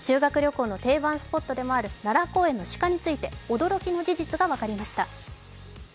修学旅行の定番スポットでもある、奈良公園の鹿について驚きの事実が分かりました。